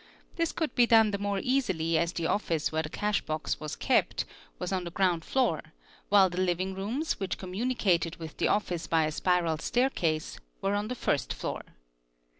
This could be done the more easily as the office where the cash box was kept was on the ground floor while the living rooms, which communicated with the office by a spiral staircase, were on the first floor.